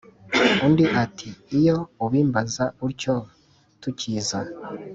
Undi ati: "Iyo ubimbaza utyo tukiza,